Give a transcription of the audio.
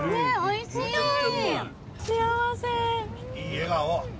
いい笑顔。